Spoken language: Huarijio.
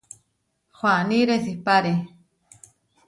Huaní resipáre.